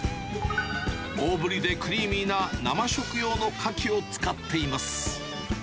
大ぶりでクリーミーな生食用のカキを使っています。